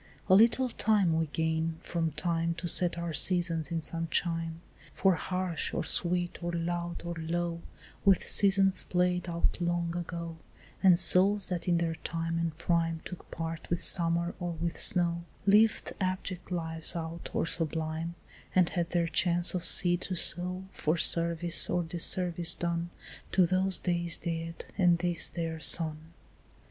A little time we gain from time To set our seasons in some chime, For harsh or sweet or loud or low, With seasons played out long ago And souls that in their time and prime Took part with summer or with snow, Lived abject lives out or sublime, And had their chance of seed to sow For service or disservice done To those days daed and this their son.